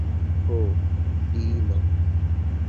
Ho, diino!